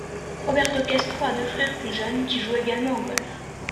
Roberto Castro a deux frères plus jeunes, qui joue également au golf.